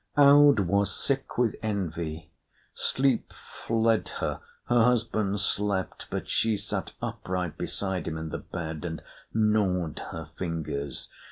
Aud was sick with envy. Sleep fled her; her husband slept, but she sat upright beside him in the bed, and gnawed her fingers.